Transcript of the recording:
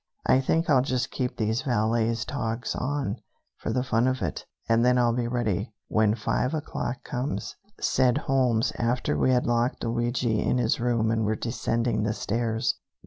"I think I'll just keep these valet's togs on, for the fun of it, and then I'll be all ready when five o'clock comes," said Holmes after we had locked Luigi in his room and were descending the stairs.